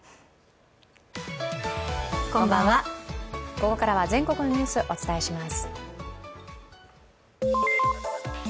ここからは全国のニュースをお伝えします。